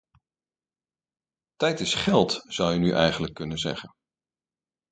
Tijd is geld, zou je nu eigenlijk kunnen zeggen.